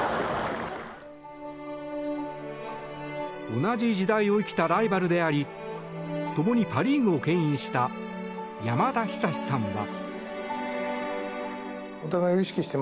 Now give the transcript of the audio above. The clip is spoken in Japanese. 同じ時代を生きたライバルでありともにパ・リーグをけん引した山田久志さんは。